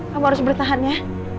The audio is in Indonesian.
kamu harus bertahan ya